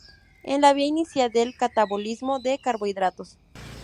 Es la vía inicial del catabolismo de carbohidratos.